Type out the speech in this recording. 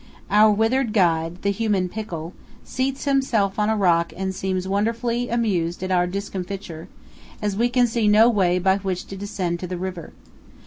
Our withered guide, the human pickle, seats himself on a rock and seems wonderfully amused at our discomfiture, for we can see no way by which to descend to the river.